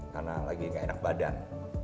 karena lagi gak enak badan